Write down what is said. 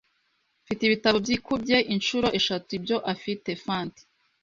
Mfite ibitabo byikubye inshuro eshatu ibyo afite. (fanty)